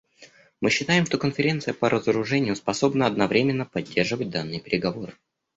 Мы считаем, что Конференция по разоружению способна одновременно поддерживать данные переговоры.